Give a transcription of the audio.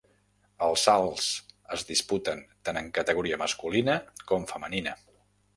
Els salts es disputen tant en categoria masculina com femenina.